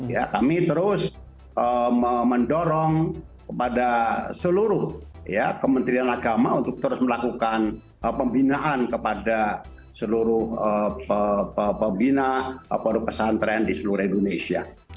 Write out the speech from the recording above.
ya kami terus mendorong kepada seluruh ya kementerian agama untuk terus melakukan pembinaan kepada seluruh pembina pondok pesantren di seluruh indonesia